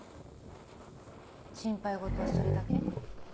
心配事はそれだけ？